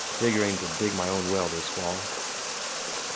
Figuring to dig my own well this fall."